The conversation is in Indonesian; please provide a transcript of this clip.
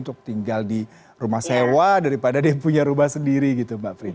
untuk tinggal di rumah sewa daripada dia punya rumah sendiri gitu mbak frit